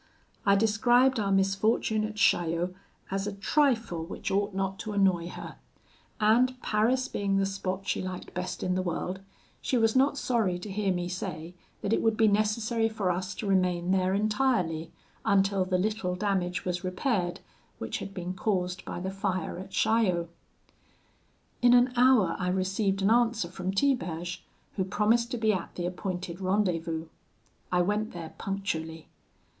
I described our misfortune at Chaillot as a trifle which ought not to annoy her; and Paris being the spot she liked best in the world, she was not sorry to hear me say that it would be necessary for us to remain there entirely, until the little damage was repaired which had been caused by the fire at Chaillot. "In an hour I received an answer from Tiberge, who promised to be at the appointed rendezvous. I went there punctually.